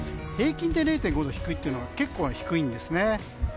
平均で０．５度低いというのは結構低いんですね。